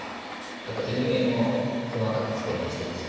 あと陰影も細かくつけましてですね